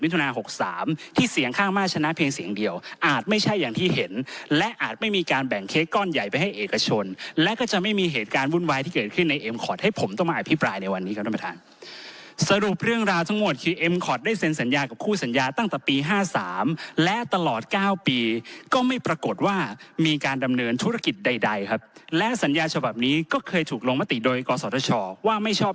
วิทยุนา๖๓ที่เสียงข้างมาชนะเพียงเสียงเดียวอาจไม่ใช่อย่างที่เห็นและอาจไม่มีการแบ่งเค้กก้อนใหญ่ไปให้เอกชนและก็จะไม่มีเหตุการณ์วุ่นวายที่เกิดขึ้นในเอ็มคอร์ดให้ผมต้องมาอภิปรายในวันนี้ครับท่านสรุปเรื่องราวทั้งหมดคือเอ็มคอร์ดได้เซ็นสัญญากับคู่สัญญาตั้งแต่ปี๕๓และตลอด๙ปีก็ไม่ปรากฏว่